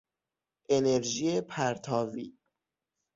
انرژی پرتاوی